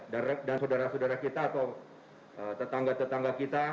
dan saudara saudara kita atau tetangga tetangga kita